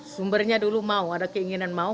sumbernya dulu mau ada keinginan mau